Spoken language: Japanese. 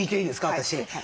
私。